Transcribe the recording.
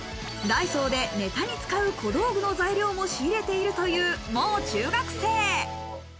ダイソーでネタに使う小道具の材料も仕入れているという、もう中学生。